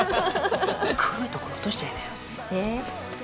黒いところ落としちゃいなよえっ？